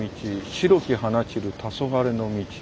「白き花散るたそがれの径」。